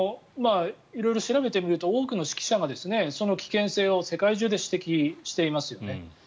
色々調べてみると多くの識者がその危険性を世界中で指摘していますよね。